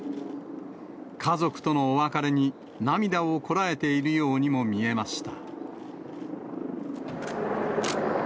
家族とのお別れに、涙をこらえているようにも見えました。